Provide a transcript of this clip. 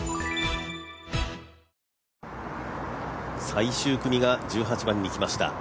最終組が１８番に来ました。